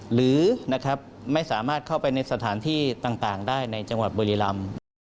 หรือนะครับไม่สามารถเข้าไปในสถานที่ต่างได้ในจังหวัดบุรีรำ